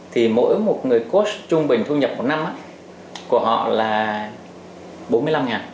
thì mỗi một người coach trung bình thu nhập một năm của họ là bốn mươi năm ngàn